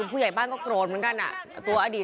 ผู้ใหญ่บ้านก็โกรธเหมือนกัน